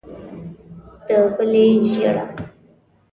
د بلې ژېړه.